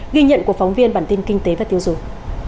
ghi nhận của phóng viên bản tin kinh tế và tiêu dùng